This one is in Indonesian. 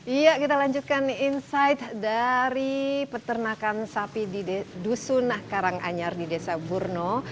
iya kita lanjutkan insight dari peternakan sapi di dusun karanganyar di desa burno